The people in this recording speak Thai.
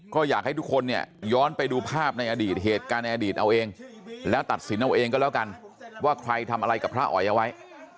ก็อยากให้ทุกคนเนี่ยย้อนไปดูภาพในอดีตเหตุการณ์ในอดีตเอาเองแล้วตัดสินเอาเองก็แล้วกันว่าใครทำอะไรกับพระอ๋อยเอาไว้